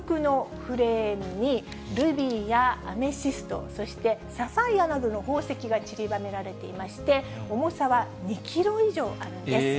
こちら、１６６１年に製作されたこの王冠なんですが、金むくのフレームに、ルビーやアメシスト、そしてサファイアなどの宝石がちりばめられていまして、重さは２キロ以上あるんです。